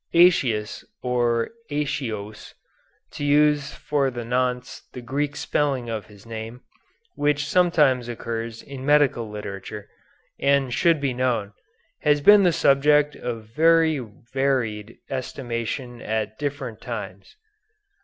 Aëtius, or Aëtios, to use for the nonce the Greek spelling of his name, which sometimes occurs in medical literature, and should be known, has been the subject of very varied estimation at different times.